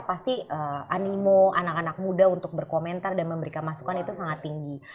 pasti animo anak anak muda untuk berkomentar dan memberikan masukan itu sangat tinggi